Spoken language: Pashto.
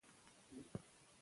ځینې خلک نه مني.